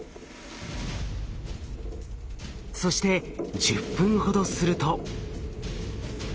そして１０分ほどすると。